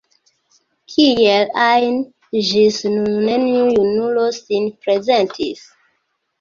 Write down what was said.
Kiel ajn, ĝis nun neniu junulo sin prezentis.